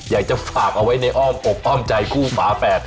อยากจะฝากออกไว้ในอ้งใจขู่ฟ้าแตด